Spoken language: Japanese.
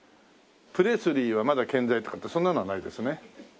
「プレスリーはまだ健在」とかってそんなのはないですね。